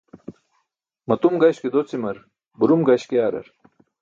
Matum gaśke docimar burum gaśk yaarar.